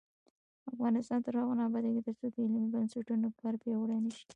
افغانستان تر هغو نه ابادیږي، ترڅو د علمي بنسټونو کار پیاوړی نشي.